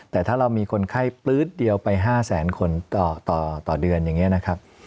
แต่ถ้าเรามีคนไข้ปลื๊ดเดียวไป๕แสนคนต่อเดือนอย่างนี้นะครับ